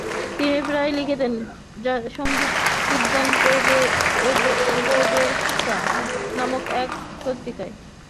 তিনি প্রায়ই লিখতেন "সঙ্গীত বিজ্ঞান প্রবেশিকা" নামক এক পত্রিকায়।